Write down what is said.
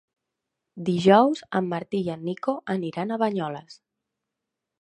Dijous en Martí i en Nico aniran a Banyoles.